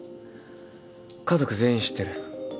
家族全員知ってる。